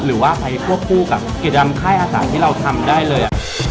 หรือว่าไปควบคู่กับกิจกรรมค่ายอาสาที่เราทำได้เลย